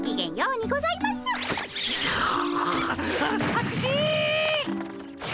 はずかしっ！